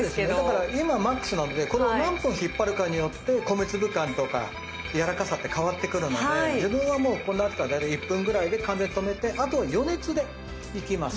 だから今マックスなのでこれを何分引っ張るかによって米粒感とかやわらかさって変わってくるので自分はもうこうなったら大体１分ぐらいで完全に止めてあとは余熱でいきます。